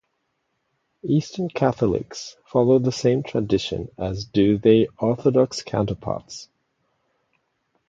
Eastern Catholics follow the same tradition as do their Orthodox counterparts.